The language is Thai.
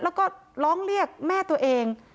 แล้วก็ร้องเรียกแม่ตัวเอง